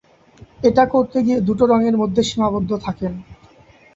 এটা করতে গিয়ে দুটো রংয়ের মধ্যে সীমাবদ্ধ থাকেন।